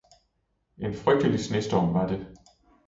en frygtelig snestorm var det.